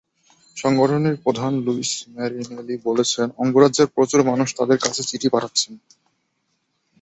সংগঠনটির প্রধান Luis Marinelli বলেছেন, অঙ্গরাজ্যের প্রচুর মানুষ তাঁদের কাছে চিঠি পাঠাচ্ছেন।